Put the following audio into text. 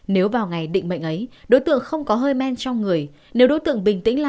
nếu vào ngày định mệnh ấy đối tượng không có hơi men trong người